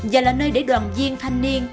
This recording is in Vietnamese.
và là nơi để đoàn viên thanh niên